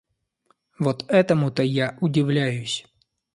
Вот этому-то я удивляюсь